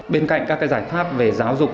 bên cạnh các giải pháp về giáo dục